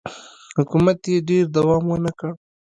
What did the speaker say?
حکومت یې ډېر دوام ونه کړ.